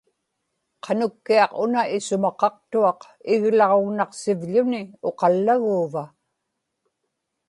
qanukkiaq una isumaqaqtuaq iglaġugnaqsivḷuni uqallaguuva